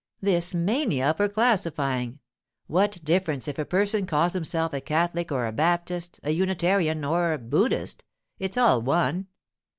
'This mania for classifying! What difference if a person calls himself a Catholic or a Baptist, a Unitarian or a Buddhist? It's all one.